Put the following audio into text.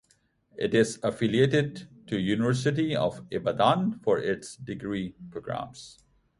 It is affiliated to University of Ibadan for its degree programmes.